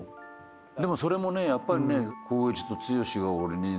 でもそれもねやっぱりね。